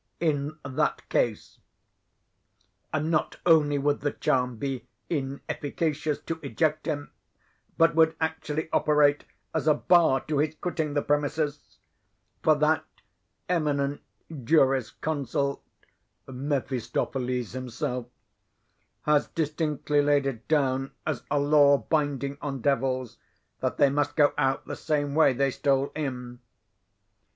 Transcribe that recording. In that case, not only would the charm be inefficacious to eject him, but would actually operate as a bar to his quitting the premises; for that eminent jurisconsult, Mephistopheles himself, has distinctly laid it down as "a law binding on devils, that they must go out the same way they stole in."